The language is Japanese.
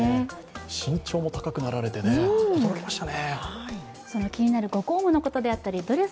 身長も高くなられて、驚きましたね。